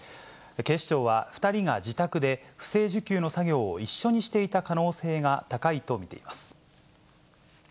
警視庁は、２人が自宅で不正受給の作業を一緒にしていた可能性が高いと見ています。